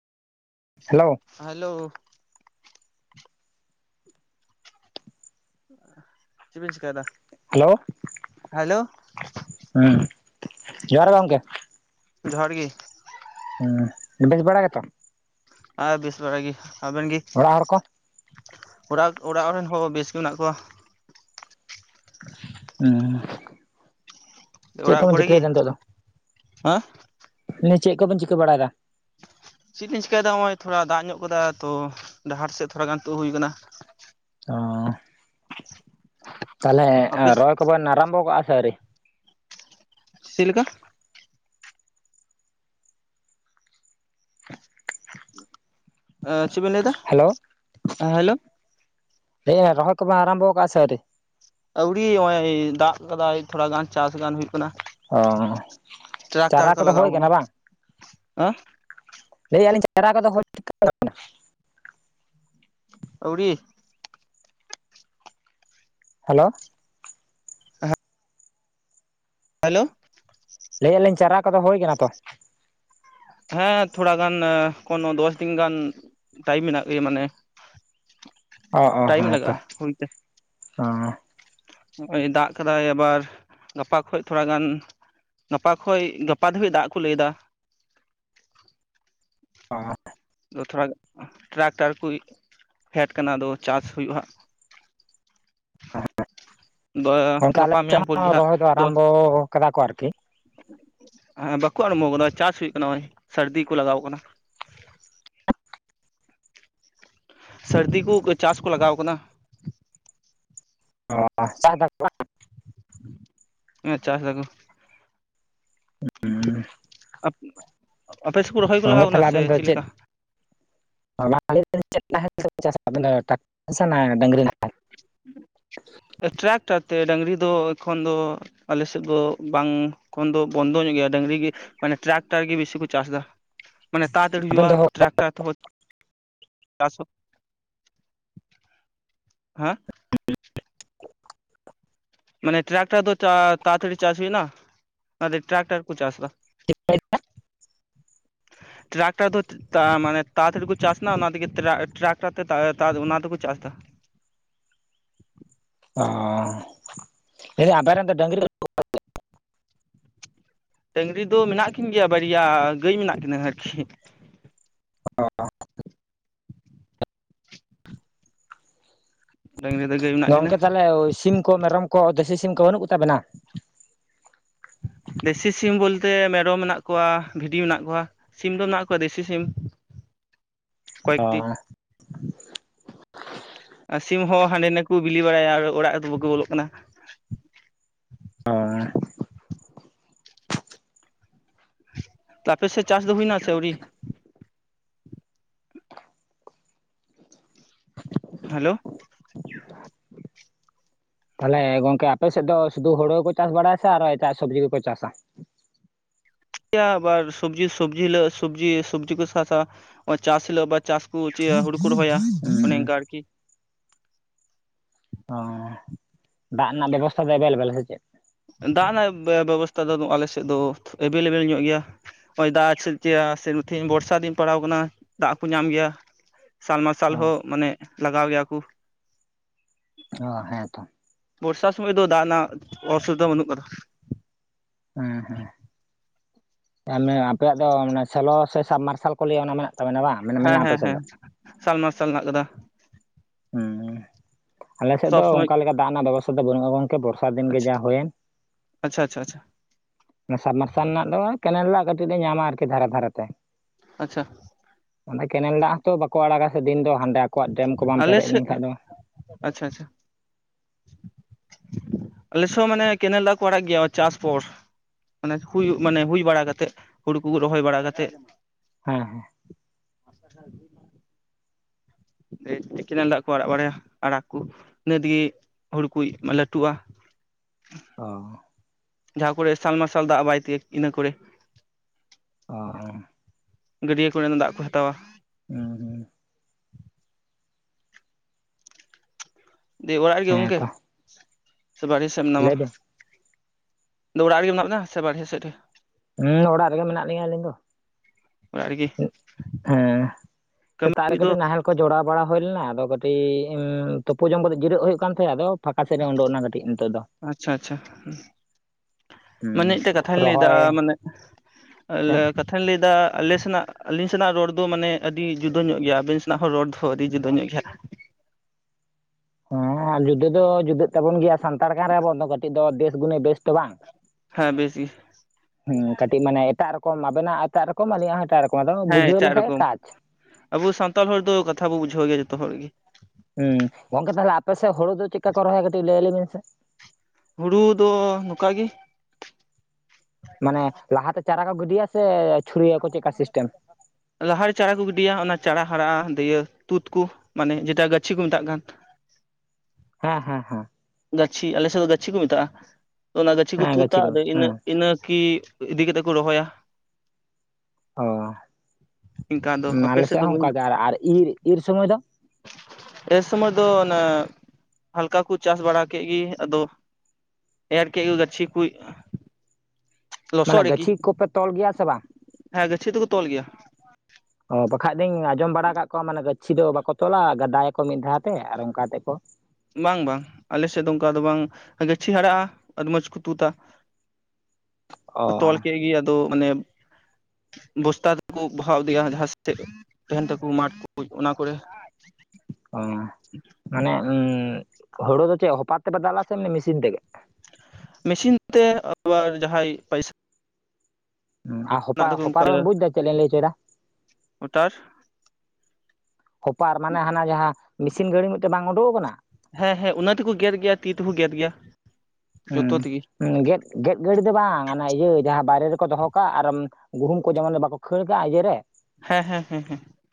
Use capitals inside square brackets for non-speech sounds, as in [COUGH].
Hello hello ᱪᱮᱫ ᱵᱮᱱ ᱪᱤᱠᱟᱹᱭ ᱫᱟ? ᱦᱮᱞᱳ, ᱦᱮᱸ, ᱡᱚᱦᱟᱨ ᱜᱚᱢᱠᱮ᱾ ᱡᱚᱦᱟᱨ ᱜᱮ᱾ ᱦᱮᱸ ᱵᱮᱥ ᱵᱟᱲᱟ ᱜᱮᱛᱚ᱾ ᱦᱮ ᱵᱤᱥ ᱵᱟᱲᱟ ᱜᱮ ᱟᱵᱮᱱ ᱜᱮ ᱚᱲᱟᱜ ᱦᱚᱲ ᱠᱚ ᱚᱲᱟᱜ ᱚᱲᱟᱜ ᱦᱚᱲ ᱠᱚᱦᱚ ᱵᱮᱥ ᱜᱮ ᱢᱮᱱᱟᱜ ᱠᱚᱣᱟ᱾ ᱦᱩᱸ ᱪᱮᱫ ᱚᱲᱟᱜ ᱠᱚᱵᱮᱱ ᱠᱚᱨᱮ ᱜᱮ, ᱪᱤᱠᱟᱹᱭᱮᱫᱟ ᱦᱮᱸ ᱫᱤᱭᱮ ᱪᱮᱫ ᱠᱚᱯᱮ ᱪᱤᱠᱟᱹ ᱵᱟᱲᱟᱭᱮᱫᱟ? ᱪᱮᱫ ᱤᱧ ᱪᱤᱠᱟᱹᱭᱮᱫᱟ ᱱᱚᱜ ᱚᱭ ᱛᱷᱚᱲᱟ ᱫᱟᱜ ᱧᱚᱜ ᱠᱮᱫᱟ ᱛᱚ ᱰᱟᱦᱟᱨ ᱥᱮᱫ ᱛᱷᱚᱲᱟ ᱜᱟᱱ ᱛᱳᱫ ᱦᱩᱭᱩ ᱟᱠᱟᱱᱟ᱾ ᱚ ᱛᱟᱦᱚᱞᱮ ᱟᱯᱮ ᱨᱚᱦᱚᱭ ᱠᱚᱵᱚᱱ ᱟᱨᱟᱢᱵᱚ ᱠᱟᱜᱼᱟ ᱥᱮ ᱟᱣᱨᱤ? ᱪᱮᱞᱠᱟ? ᱪᱮᱫ ᱵᱮᱱ ᱞᱟᱹᱭᱫᱟ ᱦᱮᱞᱳ ᱦᱮᱸ ᱦᱮᱞᱳ ᱦᱮᱸ ᱨᱚᱦᱚᱭ ᱠᱚᱵᱟᱝ ᱟᱨᱟᱢᱵᱚ ᱟᱠᱟᱜᱼᱟ ᱥᱮ ᱟᱹᱨᱤ? ᱟᱹᱣᱨᱤ ᱱᱚᱜ-ᱚᱭ ᱫᱟᱜ ᱠᱟᱫᱟᱭ ᱛᱷᱚᱲᱟ ᱜᱟᱱ ᱪᱟᱥ ᱜᱟᱱ ᱦᱩᱭᱩᱜ ᱠᱟᱱᱟ᱾ ᱚ ᱴᱨᱟᱠᱴᱟᱨ ᱪᱟᱨᱟ ᱠᱚ ᱠᱚᱫᱚ ᱞᱟᱜᱟᱣ ᱦᱳᱭ ᱠᱟᱱᱟ ᱵᱟᱝ ᱦᱮᱸ ᱞᱟᱹᱭᱮᱫ ᱟᱞᱤᱧ ᱪᱟᱨᱟ ᱠᱚᱫᱚ ᱦᱩᱭ ᱪᱩᱠᱟᱹᱣ ᱟᱠᱟᱱᱟ ᱾ ᱟᱹᱣᱨᱤ ᱦᱮᱞᱳ ᱦᱮᱞᱳ ᱞᱟᱹᱭᱮᱫ ᱟᱹᱞᱤᱧ ᱪᱟᱨᱟ ᱠᱚᱫᱚ ᱦᱩᱭ ᱠᱟᱱᱟ ᱛᱚ? ᱦᱮᱸ ᱛᱷᱚᱲᱟ ᱜᱟᱱ ᱠᱳᱱᱳ ᱫᱚᱥ ᱫᱤᱱ ᱜᱟᱱ ᱴᱟᱭᱤᱢ ᱢᱮᱱᱟᱜ ᱜᱮᱭᱟ ᱢᱟᱱᱮ ᱴᱟᱭᱤᱢ ᱞᱟᱜᱼᱟ ᱦᱩᱭᱛᱮ ᱚᱸ ᱱᱚᱜᱚᱭ ᱫᱟᱜ ᱠᱮᱫᱟᱭ ᱟᱵᱟᱨ ᱜᱟᱯᱟ ᱠᱷᱚᱱ ᱛᱷᱚᱲᱟ ᱜᱟᱱ ᱜᱟᱯᱟ ᱠᱷᱚᱡ ᱜᱟᱯᱟ ᱫᱷᱟᱹᱵᱤᱡ ᱫᱟᱜ ᱠᱚ ᱞᱟᱹᱭᱮᱫᱟ᱾ ᱚ ᱟ ᱛᱷᱚᱲᱟ ᱴᱨᱟᱠᱴᱟᱨ ᱠᱚ ᱯᱷᱮᱰ ᱠᱟᱱᱟ ᱟᱫᱚ ᱪᱟᱥ ᱦᱩᱭᱩᱜᱼᱟ ᱦᱟᱜ ᱵᱟ ᱚᱱᱠᱟ ᱟᱞᱮ ᱜᱟᱯᱟ ᱥᱮᱫ ᱢᱮᱭᱟᱝ ᱯᱚᱨ ᱜᱮ ᱦᱚᱸ ᱦᱟᱸᱜ ᱨᱚᱦᱚᱭ ᱫᱚ ᱫᱚᱥ ᱟᱨᱟᱢᱵᱚ ᱠᱟᱫᱟ ᱠᱚ ᱟᱨᱠᱤ ᱦᱮᱸ ᱵᱟᱠᱚ ᱟᱲᱚᱢᱚ ᱠᱟᱫᱟ ᱪᱟᱥ ᱦᱩᱭᱩᱜ ᱠᱟᱱᱟ ᱱᱚᱜ-ᱚᱭ ᱥᱟᱹᱨᱫᱤ ᱠᱚ ᱞᱟᱜᱟᱣ ᱠᱟᱱᱟ᱾ ᱥᱟᱹᱨᱫᱤ ᱠᱚ ᱪᱟᱥ ᱠᱚ ᱞᱟᱜᱟᱣ ᱠᱟᱱᱟ᱾ ᱚ ᱪᱟᱥ ᱫᱟᱠᱚ ᱪᱟᱥ ᱫᱟᱠᱚ ᱦᱩᱸ ᱟᱯᱮ ᱥᱮᱫ ᱠᱚ ᱨᱚᱦᱚᱭ ᱠᱚ ᱞᱟᱜᱟᱣ ᱠᱟᱱᱟ ᱥᱮ ᱪᱮᱫ ᱞᱮᱠᱟ? ᱟᱯᱮ ᱥᱮᱫ ᱫᱚ ᱪᱮᱫ ᱱᱟᱦᱮᱞ ᱛᱮᱠᱚ ᱪᱟᱥ ᱴᱟᱠᱴᱟᱨ ᱥᱮ ᱰᱟᱹᱝᱨᱤ ᱱᱟᱦᱮᱞ ᱴᱨᱟᱠᱴᱟᱨ ᱛᱮ ᱰᱟᱹᱝᱨᱤ ᱫᱚ ᱮᱠᱷᱚᱱ ᱫᱚ ᱟᱞᱮᱥᱮᱫ ᱫᱚ ᱵᱟᱝ ᱠᱷᱚᱱ ᱫᱚ ᱵᱚᱱᱫᱚ ᱧᱚᱜ ᱜᱮᱭᱟ ᱰᱟᱹᱝᱨᱤ ᱜᱮ ᱢᱟᱱᱮ ᱴᱨᱟᱠᱴᱟᱨ ᱜᱮ ᱵᱤᱥᱤ ᱠᱚ ᱪᱟᱥ ᱫᱟ ᱢᱟᱱᱮ ᱛᱟᱲᱟᱛᱟᱹᱲᱤ ᱟᱵᱮᱱ ᱦᱩᱭᱩᱜ-ᱟ ᱫᱚ ᱚ ᱴᱨᱟᱠᱴᱟᱨ ᱛᱚᱦᱚᱫ ᱦᱮᱸ ᱢᱟᱱᱮ ᱴᱨᱟᱠᱴᱟᱨ ᱫᱚ ᱪᱟ ᱛᱟᱲᱟᱛᱟᱹᱲᱤ ᱪᱟᱥ ᱦᱩᱭ ᱮᱱᱟ ᱟᱨ ᱴᱨᱟᱠᱴᱟᱨ ᱠᱚ ᱪᱟᱥ-ᱟ᱾ ᱵᱟᱝ ᱟᱸᱡᱚᱢ ᱴᱷᱤᱠᱟᱹᱜ ᱠᱟᱱᱟ ᱾ ᱴᱨᱟᱠᱴᱟᱨ ᱫᱚ ᱛᱟ ᱢᱟᱱᱮ ᱛᱟᱲᱟᱛᱟᱹᱲᱤ ᱠᱚ ᱪᱟᱥ ᱱᱟ ᱚᱱᱟ ᱛᱮᱜᱮ ᱛᱨᱟ ᱴᱨᱟᱠᱴᱟᱨ ᱛᱮ ᱛᱟ-ᱛᱟ ᱚᱱᱟ ᱛᱮᱠᱚ ᱪᱟᱥ ᱫᱟ ᱚᱸᱻ ᱞᱟᱹᱭᱫᱟᱹᱧ ᱟᱯᱮ ᱨᱮᱱ ᱫᱚ ᱰᱟ. ᱝᱨᱤ ᱰᱟᱹᱝᱨᱤ ᱫᱚ ᱢᱮᱱᱟᱜ ᱠᱤᱱ ᱜᱮᱭᱟ ᱵᱟᱨᱭᱟ ᱜᱟᱹᱭ ᱢᱮᱱᱟᱜ ᱠᱤᱱᱟ ᱟᱨᱠᱤ ᱚᱦᱚ ᱰᱟ. ᱝᱨᱤ ᱫᱚ ᱜᱟᱹᱭ ᱢᱮᱱᱟᱜ ᱠᱤᱱᱟᱹ ᱜᱚᱢᱠᱮ ᱛᱟᱦᱚᱞᱮ ᱥᱤᱢ ᱠᱚ ᱢᱮᱨᱚᱢ ᱠᱚ ᱫᱮᱥᱤ ᱥᱤᱢ ᱠᱚ ᱵᱟᱹᱱᱩᱜ ᱠᱚᱛᱟ ᱵᱮᱱᱟ? ᱫᱮᱥᱤ ᱥᱤᱢ ᱵᱚᱞᱛᱮ ᱢᱮᱨᱚᱢ ᱢᱮᱱᱟᱜ ᱠᱚᱣᱟ ᱵᱷᱤᱰᱤ ᱢᱮᱱᱟᱜ ᱠᱚᱣᱟ ᱥᱤᱢ ᱫᱚ ᱢᱮᱱᱟᱜ ᱠᱚᱣᱟ ᱫᱮᱥᱤ ᱥᱤᱢ ᱪᱮᱫ ᱦᱚᱸ ᱵᱟᱝ ᱟᱸᱡᱚᱢᱚᱜ ᱠᱟᱱᱟ ᱾ ᱚᱻ ᱟᱨ ᱥᱤᱢ ᱦᱚᱸ ᱦᱟᱸᱰᱮ ᱱᱟᱰᱮ ᱠᱚ ᱵᱤᱞᱤ ᱵᱟᱲᱟᱭᱟ ᱟᱨ ᱚᱲᱟᱜ ᱨᱮᱫᱚ ᱵᱟᱠᱚ ᱵᱚᱞᱚᱜ ᱠᱟᱱᱟ᱾ ᱦᱚᱭ ᱟᱯᱮ ᱥᱮ ᱪᱟᱥ ᱫᱚ ᱦᱩᱭᱱᱟ ᱥᱮ ᱟᱹᱣᱨᱤ? ᱵᱟᱝ ᱟᱸᱡᱚᱢᱚᱜ ᱠᱟᱱᱟ ᱾ ᱦᱮᱞᱳ [INAUDIBLE] [INAUDIBLE] ᱛᱟᱦᱚᱞᱮ ᱜᱚᱝᱠᱮ ᱟᱯᱮ ᱥᱮᱫ ᱫᱚ ᱥᱩᱫᱷᱩ ᱦᱳᱲᱩ ᱜᱮᱠᱚ ᱪᱟᱥ ᱵᱟᱲᱟᱭᱟ ᱥᱮ ᱟᱨ ᱮᱴᱟᱜ ᱥᱚᱵᱽᱡᱤ ᱠᱚᱠᱚ ᱪᱟᱥᱟ? ᱤᱭᱟ ᱟᱵᱟᱨ ᱥᱚᱵᱽᱡᱤ ᱥᱚᱵᱽᱡᱤ ᱦᱤᱞᱳᱜ ᱥᱚᱵᱽᱡᱤ ᱥᱚᱵᱽᱡᱤ ᱠᱚ ᱪᱟᱥᱟ ᱟᱨ ᱪᱟᱥ ᱦᱤᱞᱳᱜ ᱵᱟ ᱪᱟᱥ ᱠᱚ ᱩᱪᱟ. ᱭᱟ ᱦᱩᱲᱩ ᱠᱚ ᱨᱚᱦᱚᱭᱟ ᱚᱱᱮ ᱚᱱᱠᱟ ᱟᱨᱠᱤ ᱚᱻ ᱫᱟᱜ ᱨᱮᱱᱟᱜ ᱵᱮᱵᱚᱥᱛᱷᱟ ᱫᱚ ᱮᱵᱮᱞ ᱮᱵᱮᱞ ᱥᱮ ᱪᱮᱫ? ᱫᱟᱜ ᱨᱮᱱᱟᱜ ᱵᱮ-ᱵᱮᱵᱚᱥᱛᱷᱟ ᱫᱚ ᱟᱞᱮ ᱥᱮᱫ ᱫᱚ ᱮᱵᱮᱞ ᱮᱵᱮᱞ ᱧᱚᱜ ᱜᱮᱭᱟ ᱦᱚᱭ ᱫᱟᱜ ᱥᱮ ᱪᱮᱭᱟ [UNINTELLIGIBLE] ᱵᱚᱨᱥᱟ ᱫᱤᱱ ᱯᱟᱲᱟᱣ ᱟᱠᱟᱱᱟ ᱫᱟᱜ ᱦᱚᱸ ᱠᱚ ᱧᱟᱢ ᱜᱮᱭᱟ᱾ ᱥᱟᱞ ᱢᱟᱨᱥᱟᱞ ᱚ ᱦᱚᱸ ᱢᱟᱱᱮ ᱞᱟᱜᱟᱣ ᱜᱮᱭᱟ ᱠᱚ᱾ ᱚ ᱦᱮᱸ ᱛᱚ᱾ ᱵᱚᱨᱥᱟ ᱥᱩᱢᱚᱭ ᱫᱚ ᱫᱟᱜ ᱨᱮᱱᱟᱜ ᱚᱥᱩᱵᱤᱫᱷᱟ ᱵᱟᱹᱱᱩᱜ ᱠᱟᱫᱟ᱾ ᱦᱮᱸ ᱦᱮᱸ ᱛᱟᱦᱞᱮ ᱟᱯᱮᱭᱟᱜ ᱫᱚ ᱚᱱᱮ ᱥᱮᱞᱚ ᱥᱮ ᱥᱟᱵᱢᱟᱨᱥᱟᱞ ᱠᱚ ᱞᱟᱹᱭᱟ ᱚᱱᱟ ᱢᱮᱱᱟᱜ ᱛᱟᱵᱮᱱᱟ ᱵᱟᱝ? ᱦᱮᱸ ᱢᱮᱱᱟᱜᱼᱟ ᱟᱯᱮ ᱦᱮᱸ ᱥᱮᱫ ᱦᱮᱸ ᱫᱚ ᱥᱟᱞ ᱢᱟᱨᱥᱟᱞ ᱦᱮᱱᱟᱜ ᱠᱟᱫᱟ᱾ ᱦᱩᱸᱻ ᱟᱞᱮ ᱥᱮᱫ ᱫᱚ ᱥᱚᱵᱽ ᱥᱚᱢᱚᱭ ᱚᱱᱠᱟ ᱞᱮᱠᱟ ᱫᱟᱜ ᱨᱮᱱᱟᱜ ᱵᱮᱵᱚᱥᱛᱷᱟ ᱫᱚ ᱵᱟᱹᱱᱩᱜ-ᱟ ᱜᱚᱝᱠᱮ ᱵᱚᱨᱥᱟ ᱫᱤᱱ ᱜᱮ ᱡᱟ ᱦᱩᱭᱮᱱ ᱾ ᱟᱪᱪᱷᱟ ᱟᱪᱪᱷᱟ ᱟᱪᱪᱷᱟ ᱥᱟᱵ ᱢᱟᱨᱥᱟᱞ ᱨᱮᱱᱟᱜ ᱫᱚ ᱠᱮᱱᱮᱞ ᱨᱮᱭᱟᱜ ᱠᱟᱹᱴᱤᱡ ᱞᱮ ᱧᱟᱢᱟ ᱟᱨᱠᱤ ᱫᱷᱟᱨᱮ ᱫᱷᱟᱨᱮ ᱛᱮ᱾ ᱟᱪᱪᱷᱟ ᱚᱱᱟ ᱠᱮᱱᱮᱞ ᱫᱟᱜ ᱦᱚᱸᱛᱚ ᱵᱟᱠᱚ ᱟᱲᱟᱜᱟ ᱥᱮ ᱫᱤᱱ ᱫᱚ ᱦᱟᱸᱰᱮ ᱟᱠᱚ ᱟᱞᱮ ᱥᱮᱫ ᱟᱪᱪᱷᱟ ᱟᱪᱪᱷᱟ ᱟᱞᱮ ᱥᱮᱫ ᱦᱚᱸ ᱢᱟᱱᱮ ᱠᱮᱱᱮᱞ ᱫᱟᱜ ᱠᱚ ᱟᱲᱟᱜ ᱜᱮᱭᱟ ᱪᱟᱥ ᱯᱚᱨ᱾ ᱢᱟᱱᱮ ᱦᱩᱭᱩᱜ ᱢᱟᱱᱮ ᱦᱩᱭ ᱵᱟᱲᱟ ᱠᱟᱛᱮᱫ ᱦᱩᱲᱩ ᱠᱚᱠᱚ ᱨᱚᱦᱚᱭ ᱵᱟᱲᱟ ᱠᱟᱛᱮᱫ ᱦᱚᱸ [UNINTELLIGIBLE] ᱮ ᱠᱮᱱᱮᱞ ᱫᱟᱜ ᱠᱚ ᱟᱲᱟᱜ ᱵᱟᱲᱟᱭᱟ ᱟᱲᱟᱜ ᱠᱚ ᱤᱱᱟᱹ ᱛᱮᱜᱮ ᱦᱩᱲᱩ ᱠᱩᱭᱤᱡ ᱢᱟ ᱞᱟᱹᱴᱩᱜ-ᱟ᱾ ᱚᱻ ᱡᱟᱦᱟᱸ ᱠᱚᱨᱮ ᱥᱟᱞᱢᱟᱨᱥᱟᱞ ᱫᱟᱜ ᱵᱟᱭ ᱛᱤᱭᱟᱹᱜ ᱤᱱᱟᱹ ᱠᱚᱨᱮ ᱚᱻ ᱜᱟᱹᱰᱭᱟᱹ ᱠᱚᱨᱮᱱᱟᱜ ᱫᱟᱜ ᱠᱚ ᱦᱟᱛᱟᱣᱟ᱾ ᱦᱩᱸ ᱦᱩᱸ ᱫᱮ ᱚᱲᱟᱜ ᱨᱮ ᱜᱮ ᱦᱮᱸ ᱜᱚᱢᱠᱮ ᱛᱚ ᱥᱮ ᱵᱟᱲᱜᱮ ᱥᱮᱫ ᱨᱮ ᱢᱮᱱᱟᱢᱟ? ᱞᱟᱹᱭ ᱵᱮᱱ [UNINTELLIGIBLE] ᱚᱲᱟᱜ ᱨᱮᱜᱮ ᱢᱮᱱᱟᱜ ᱵᱮᱱᱟ ᱥᱮ ᱵᱟᱦᱨᱮ ᱥᱮᱫ ᱨᱮ? ᱦᱩᱸ ᱚᱲᱟᱜ ᱨᱮᱜᱮ ᱢᱮᱱᱟᱜ ᱞᱤᱧᱟᱹ ᱟᱹᱞᱤᱧ ᱫᱚ, ᱚᱲᱟᱜ ᱨᱮᱜᱮ ᱦᱮᱸ ᱠᱟᱹᱢᱤ ᱥᱮᱛᱟᱨᱮ ᱠᱟᱹᱴᱤᱡ ᱠᱚᱫᱚ ᱱᱟᱦᱮᱞ ᱠᱚ ᱡᱚᱲᱟᱣ ᱵᱟᱲᱟ ᱦᱩᱭ ᱞᱮᱱᱟ ᱟᱫᱚ ᱠᱟᱹᱴᱤᱡ ᱛᱩᱯᱩ ᱡᱚᱢ ᱠᱟᱛᱮᱫ ᱡᱤᱨᱟᱹᱜ ᱦᱩᱭᱩᱜ ᱠᱟᱱ ᱛᱟᱦᱮᱸᱫ ᱟᱫᱚ ᱯᱷᱟᱸᱠᱟ ᱥᱮᱫ ᱨᱮ ᱩᱰᱩᱠ ᱮᱱᱟ ᱠᱟᱹᱴᱤᱡ ᱱᱤᱛᱚᱜ ᱫᱚ [UNINTELLIGIBLE] ᱟᱪᱪᱷᱟ ᱟᱪᱪᱷᱟ ᱦᱸ ᱦᱩᱸ ᱢᱟᱱᱮ ᱢᱤᱫᱴᱮᱡ ᱠᱟᱛᱷᱟᱧ ᱞᱟᱹᱭᱫᱟ ᱨᱚᱦᱚᱭ ᱢᱟᱱᱮ ᱟᱞᱮ ᱪᱮᱫ ᱠᱟᱛᱷᱟᱧ ᱞᱟᱹᱭ ᱮᱫᱟ ᱟᱞᱮ ᱥᱮᱱᱟᱜ ᱟᱹᱞᱤᱧ ᱥᱮᱱᱟᱜ ᱨᱚᱲ ᱫᱚ ᱢᱟᱱᱮ ᱟᱹᱰᱤ ᱡᱩᱫᱟᱹ ᱧᱚᱜ ᱜᱮᱭᱟ ᱟᱵᱮᱱ ᱦᱚᱸ ᱨᱚᱲ ᱫᱚ ᱟᱹᱰᱤ ᱡᱩᱫᱟᱹ ᱧᱚᱜ ᱜᱮᱭᱟ᱾ ᱦᱮᱸ ᱡᱩᱫᱟᱹ ᱫᱚ ᱡᱩᱫᱟᱹᱜ ᱛᱟᱵᱚᱱ ᱜᱮᱭᱟ ᱥᱟᱱᱛᱟᱲ ᱠᱟᱱ ᱨᱮᱦᱚᱸ ᱵᱚᱱ ᱠᱟᱹᱴᱤᱡ ᱫᱚ ᱫᱮᱥ ᱜᱩᱱᱮ ᱵᱮᱥ ᱛᱚ ᱵᱟᱝ? ᱦᱮᱸ ᱵᱮᱥ ᱜᱮ ᱾ ᱦᱮᱸ ᱠᱟᱹᱴᱤᱡ ᱢᱟᱱᱮ ᱮᱴᱟᱜ ᱨᱚᱠᱚᱢ ᱟᱵᱮᱱᱟᱜ ᱮᱴᱟᱜ ᱨᱚᱠᱚᱢ ᱟᱹᱞᱤᱧᱟᱜ ᱦᱚᱸ ᱮᱴᱟᱜ ᱨᱚᱠᱚᱢ ᱟᱫᱚ ᱦᱮᱸ ᱵᱩᱡᱷᱟᱹᱣ ᱮᱴᱟᱜ ᱞᱮᱱᱠᱷᱟᱡ ᱜᱮ ᱨᱚᱠᱚᱢ ᱠᱟᱡᱽ ᱟᱵᱚ ᱥᱟᱱᱛᱟᱲ ᱦᱚᱲ ᱫᱚ ᱠᱟᱛᱷᱟ ᱵᱚ ᱵᱩᱡᱷᱟᱹᱣ ᱜᱮᱭᱟ ᱡᱚᱛᱚ ᱦᱚᱲ ᱜᱮ᱾ ᱦᱩᱸ ᱜᱚᱱᱠᱮ ᱛᱟᱦᱚᱞᱮ ᱟᱯᱮᱥᱮ ᱦᱳᱲᱳ ᱫᱚ ᱪᱤᱠᱟ ᱠᱚ ᱨᱚᱦᱚᱭᱟ ᱠᱟᱴᱤᱡ ᱞᱟᱹᱭ ᱟᱹᱧᱤᱵᱤᱱ ᱥᱮ ᱳᱩᱲᱳ ᱫᱚ ᱚᱱᱠᱟ ᱜᱮ ᱢᱟᱱᱮ ᱞᱟᱦᱟᱛᱮ ᱪᱟᱨᱟ ᱠᱚ ᱜᱤᱰᱤᱭᱟ ᱥᱮ ᱵᱟᱝ ᱪᱷᱩᱲᱭᱟᱹᱠᱚ ᱪᱮᱫᱠᱟ ᱟᱸᱡᱚᱢᱚᱜ ᱥᱤᱥᱴᱮᱢ ᱠᱟᱱᱟ ᱞᱟᱦᱟᱨᱮ ᱪᱟᱨᱟ ᱠᱚ ᱜᱤᱰᱤᱭᱟ ᱚᱱᱟ ᱪᱟᱨᱟ ᱦᱟᱨᱟᱜᱼᱟ ᱫᱤᱭᱮ ᱛᱩᱛ ᱠᱚ ᱢᱟᱱᱮ ᱡᱮᱴᱟ ᱜᱟᱹᱪᱷᱤ ᱠᱚ ᱢᱮᱛᱟᱜ ᱠᱟᱱ, ᱦᱮᱸᱻᱦᱮᱸ ᱦᱮᱸᱻ ᱜᱟᱹᱪᱷᱤ ᱟᱞᱮᱥᱮᱫ ᱫᱚ ᱜᱟ. ᱪᱷᱤ ᱠᱚ ᱢᱮᱛᱟᱜᱼᱟ ᱚᱱᱟ ᱜᱟ. ᱪᱷᱤ ᱠᱚ ᱦᱮᱸ ᱛᱩᱫᱟ ᱜᱟᱹᱪᱷᱤ ᱟᱫᱚ ᱦᱮᱸ ᱤᱱᱟᱹ-ᱤᱱᱟᱹ ᱠᱤ ᱤᱫᱤ ᱠᱟᱛᱮ ᱠᱚ ᱨᱚᱦᱚᱭᱟ᱾ ᱚ ᱤᱱᱠᱟ ᱫᱚ ᱟᱯᱮ ᱟᱞᱮ ᱥᱮᱫ ᱫᱚ ᱦᱚᱸ ᱵᱟᱹᱧ ᱚᱱᱠᱟᱜᱮ ᱟᱨ ᱤᱨ- ᱤᱨ ᱥᱚᱢᱚᱭ ᱫᱚ ᱮ ᱥᱚᱢᱚᱭ ᱫᱚ ᱚᱱᱮ ᱦᱟᱞᱠᱟ ᱠᱩ ᱪᱟᱥ ᱵᱟᱲᱟ ᱠᱮᱫ ᱜᱮ ᱟᱫᱚ ᱮᱨ ᱠᱮᱫ ᱜᱮ ᱜᱟᱹᱪᱷᱤ ᱠᱚ ᱢᱟᱱᱮ ᱞᱚᱥᱚᱫ ᱨᱮᱠᱤ ᱜᱟᱹᱪᱷᱤ ᱠᱚᱯᱮ ᱛᱚᱞ ᱜᱮᱭᱟ ᱥᱮ ᱵᱟᱝ ᱦᱮᱸ ᱜᱟᱹᱪᱷᱤ ᱫᱚᱠᱚ ᱛᱚᱞ ᱜᱮᱭᱟ, ᱚ ᱵᱟᱠᱷᱟᱡ ᱫᱚᱧ ᱟᱸᱡᱚᱢ ᱵᱟᱲᱟ ᱟᱠᱟᱜ ᱠᱚᱣᱟ ᱢᱟᱱᱮ ᱜᱟᱹᱪᱷᱤ ᱫᱚ ᱵᱟᱠᱚ ᱛᱚᱞᱟ ᱜᱟᱫᱟᱭᱟᱠᱚ ᱢᱤᱫ ᱫᱷᱟ. ᱣ ᱛᱮ ᱟᱨ ᱚᱱᱠᱟᱛᱮ ᱠᱚ ᱵᱟᱝ-ᱵᱟᱝ ᱟᱞᱮ ᱥᱮᱫ ᱫᱚ ᱚᱱᱠᱟ ᱫᱚ ᱵᱟᱝ ᱜᱟᱹᱪᱷᱤ ᱦᱟᱨᱟᱜᱼᱟ ᱟᱹᱰᱤ ᱢᱚᱸᱡᱽ ᱠᱚ ᱛᱩᱫᱟ, ᱚ ᱛᱚᱞ ᱠᱮᱫ ᱜᱮ ᱟᱫᱚ ᱢᱟᱱᱮ ᱵᱚᱥᱛᱟ ᱛᱮᱠᱚ ᱵᱚᱦᱟ ᱤᱫᱤᱭᱟ ᱡᱟᱦᱟᱸ ᱥᱮᱫ ᱛᱟᱦᱮᱱ ᱛᱟᱠᱚ ᱢᱟᱴᱷ ᱠᱚ ᱚᱱᱟ ᱠᱚᱨᱮ, ᱚ ᱢᱟᱱᱮ ᱦᱳᱲᱳ ᱫᱚ ᱪᱮᱫ ᱦᱚᱯᱟᱛ ᱛᱮᱯᱮ ᱫᱟᱞᱟ ᱥᱮ ᱢᱮᱥᱤᱱ ᱛᱮᱜᱮ? ᱢᱮᱥᱤᱱ ᱛᱮ ᱟᱵᱟᱨ ᱡᱟᱦᱟᱸᱭ ᱯᱚᱭᱥᱟ ᱦᱚᱸ ᱦᱟᱜ ᱢᱮᱱᱟᱜ ᱫᱟᱠᱚ ᱩᱱᱠᱟᱭᱟ ᱴᱟᱨ ᱠᱚᱯᱟᱨ ᱢᱟᱱᱮ ᱦᱟᱱᱟ ᱡᱟᱦᱟᱸ ᱢᱮᱥᱤᱱ ᱜᱟᱹᱲᱤ ᱢᱤᱫᱴᱮᱱ ᱵᱟᱝ ᱩᱰᱩᱠ ᱟᱠᱟᱱᱟ, ᱦᱮᱸᱻᱦᱮᱸ ᱚᱱᱟ ᱛᱮᱠᱚ ᱜᱮᱨ ᱜᱮᱭᱟ ᱛᱤ ᱛᱮᱠᱚ ᱜᱮᱫ ᱜᱮᱭᱟ᱾ ᱡᱚᱛᱚ ᱛᱮᱜᱮ ᱦᱮᱸ ᱜᱮᱫ-ᱜᱮᱫ ᱜᱟᱹᱲᱤ ᱫᱚ ᱵᱟᱝ ᱚᱱᱟ ᱤᱭᱟᱹ ᱡᱟᱦᱟᱸ ᱵᱟᱭᱨᱮ ᱨᱮᱠᱚ ᱫᱚᱦᱚ ᱠᱟᱜᱼᱟ ᱟᱨ ᱜᱩᱦᱩᱢ ᱠᱚ ᱡᱮᱢᱚᱱ ᱵᱟᱠᱚ ᱠᱷᱟᱹᱲ ᱠᱟᱜᱼᱟ ᱤᱭᱟᱹ ᱨᱮ ᱦᱮᱸᱻ ᱦᱮᱸ-ᱦᱮᱸᱻᱦᱮᱸ